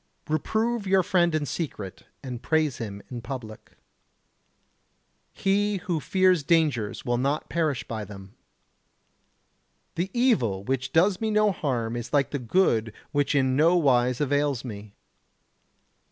Reprove your friend in secret and praise him in public. He who fears dangers will not perish by them. The evil which does me no harm is like the good which in no wise avails me.